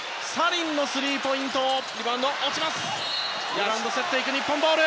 リバウンド競って日本ボール。